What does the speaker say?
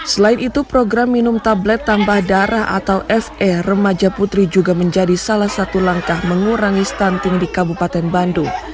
selain itu program minum tablet tambah darah atau fe remaja putri juga menjadi salah satu langkah mengurangi stunting di kabupaten bandung